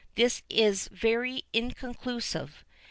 This is very inconclusive.